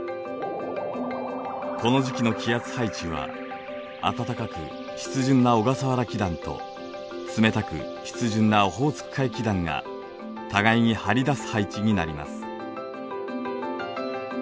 この時期の気圧配置は暖かく湿潤な小笠原気団と冷たく湿潤なオホーツク海気団が互いに張り出す配置になります。